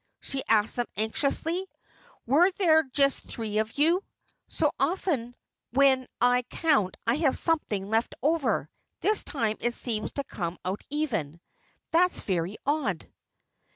she asked them anxiously. "Were there just three of you? So often when I count I have something left over. This time it seems to come out even. That's very odd."